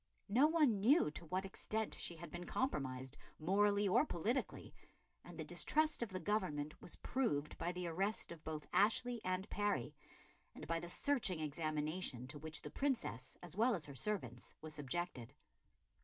No one knew to what extent she had been compromised, morally or politically, and the distrust of the Government was proved by the arrest of both Ashley and Parry, and by the searching examination to which the Princess, as well as her servants, was subjected.